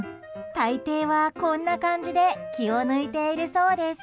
大抵は、こんな感じで気を抜いているそうです。